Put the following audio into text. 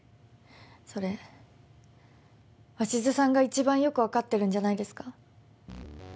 それ鷲津さんが一番よくわかってるんじゃないですか？